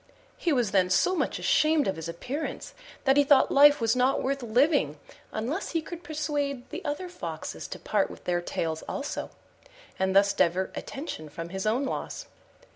He was then so much ashamed of his appearance that he thought life was not worth living unless he could persuade the other Foxes to part with their tails also, and thus divert attention from his own loss.